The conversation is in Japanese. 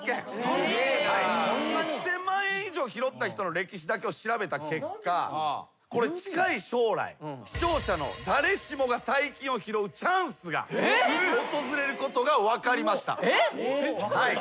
１，０００万円以上拾った人の歴史だけを調べた結果近い将来視聴者の誰しもが大金を拾うチャンスが訪れることが分かりました。